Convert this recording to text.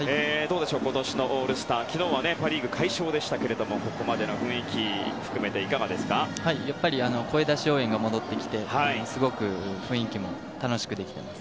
今年のオールスターは昨日はパ・リーグ快勝でしたけどもここまでの雰囲気含めて声出し応援が戻ってきてすごく雰囲気も楽しくできています。